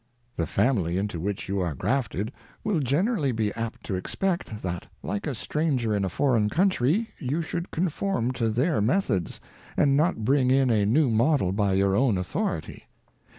The Family into which you are grafted will generally be apt to expect, that /like a Stranger in a Foreign Country, you should conform to their Methods, and not bring in a new ModeTTiy^bur own Authority.